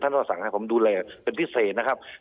เราสั่งให้ผมดูแลเป็นพิเศษนะครับ